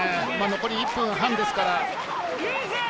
残り１分半ですから。